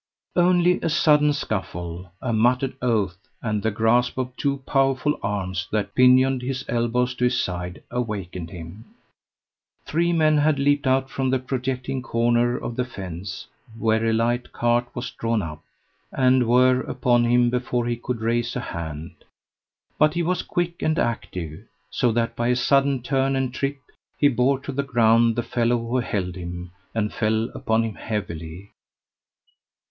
Only a sudden scuffle, a muttered oath, and the grasp of two powerful arms that pinioned his elbows to his side awakened him. Three men had leaped out from the projecting corner of the fence, where a light cart was drawn up, and were upon him before he could raise a hand; but he was quick and active, so that by a sudden turn and trip he bore to the ground the fellow who held him, and fell upon him heavily.